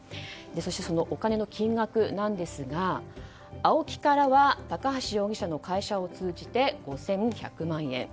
そのお金の金額ですがＡＯＫＩからは高橋容疑者の会社を通じて５１００万円。